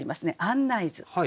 案内図。